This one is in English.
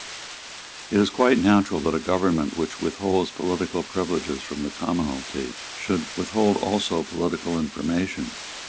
It is quite natural that a government which withholds political privileges from the commonalty should withhold also political information.